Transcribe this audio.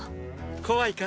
怖いか？